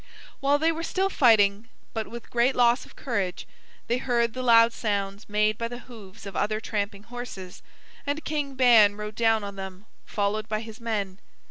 While they were still fighting, but with great loss of courage, they heard the loud sounds made by the hoofs of other tramping horses, and King Ban rode down on them, followed by his men.